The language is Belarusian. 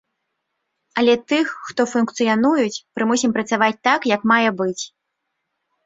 Але тых, што функцыянуюць, прымусім працаваць так, як мае быць.